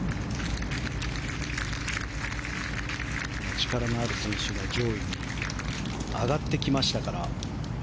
力のある選手が上位に上がってきました。